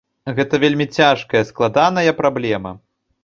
Гэта вельмі цяжкая, складаная праблема.